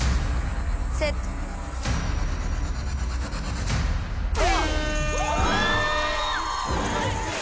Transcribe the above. セットあ！